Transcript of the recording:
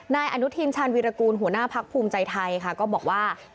นายอนุทินชาญวีรกูลหัวหน้าพักภูมิใจไทยค่ะก็บอกว่า